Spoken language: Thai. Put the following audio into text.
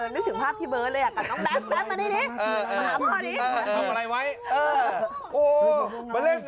นึกถึงภาพพี่เบิ้นเลยน้องดังมานี่ดิ